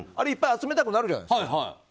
いっぱい集めたくなるじゃないですか。